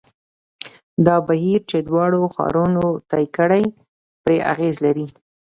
دا بهیر چې دواړو ښارونو طی کړې پرې اغېز لري.